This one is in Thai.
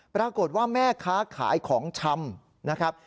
ปรากฏว่าแม่ค้าขายของชำนะครับ